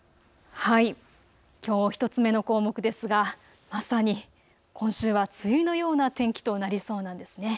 きょう１つ目の項目ですが、今週は梅雨のような天気となりそうなんですね。